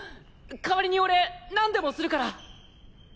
代わりに俺何でもするから。